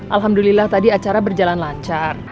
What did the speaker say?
alhamdulillah tadi acara berjalan lancar